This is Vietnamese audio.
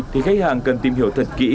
thì khách hàng cần tìm hiểu thật kỹ